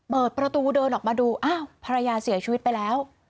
เปิดประตูเดินออกมาดูอ้าวภรรยาเสียชีวิตไปแล้ว